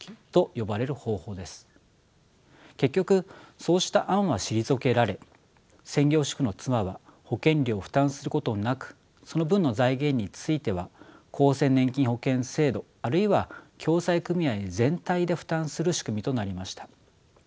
結局そうした案は退けられ専業主婦の妻は保険料を負担することなくその分の財源については厚生年金保険制度あるいは共済組合全体で負担する仕組みとなりました。